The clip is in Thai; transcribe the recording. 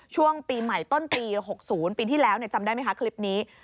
ช่วงปีใหม่ต้นปี๖๐ปีที่แล้วจำได้ไหมคะคลิปนี้